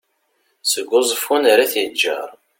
seg uẓeffun ar at yeğğer